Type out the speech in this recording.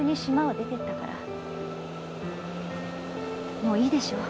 もういいでしょう？